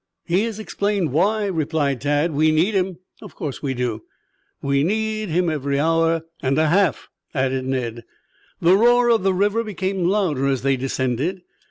"He has explained why," replied Tad. "We need him. Of course we do. We need him every hour " "And a half," added Ned. The roar of the river became louder as they descended.